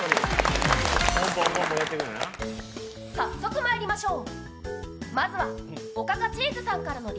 早速まいりましょう。